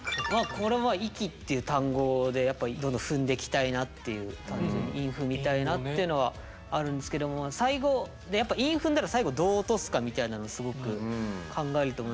これは「いき」っていう単語でやっぱりどんどん踏んできたいなっていう単純に韻踏みたいなっていうのはあるんですけども最後でやっぱ韻踏んだら最後どう落とすかみたいなのをすごく考えると思うんですけど